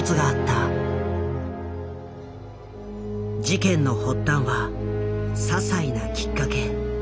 事件の発端は些細なきっかけ。